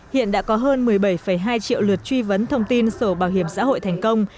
hiện đã có hơn một mươi bảy hai triệu lượt truy vấn thông tin sổ bảo hiểm xã hội thành công